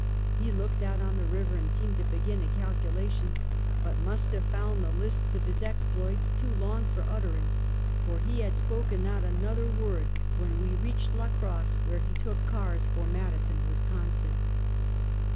He looked out on the river and seemed to begin a calculation, but must have found the lists of his ex ploits too long for utterance, for he had spoken not an other word when we reached La Crosse, where we took cars for Madison, Wisconsin.